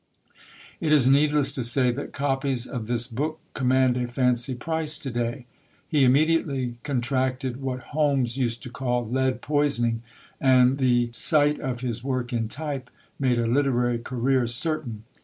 It is needless to say that copies of this book command a fancy price to day. He immediately contracted what Holmes used to call "lead poisoning," and the sight of his work in type made a literary career certain.